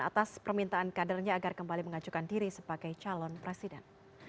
atas permintaan kadernya agar kembali mengajukan diri sebagai calon presiden